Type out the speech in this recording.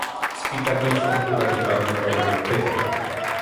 სპიტაკი სომხურად ითარგმნება როგორც „თეთრი“.